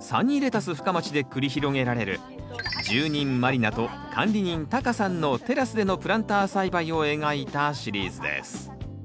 サニーレタス深町で繰り広げられる住人満里奈と管理人タカさんのテラスでのプランター栽培を描いたシリーズです。